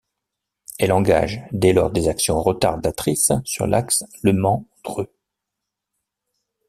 Elle engage dès lors des actions retardatrices sur l'axe Le Mans - Dreux.